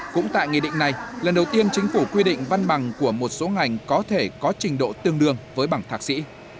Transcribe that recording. cũng tại nghị định này lần đầu tiên chính phủ quy định văn bằng của một số ngành có thể có trình độ tương đương với bằng thạc sĩ